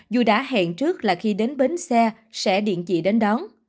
dù đã hẹn trước là khi đến bến xe sẽ điện chị đến đón